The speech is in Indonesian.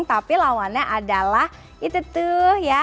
tapi lawannya adalah itu tuh ya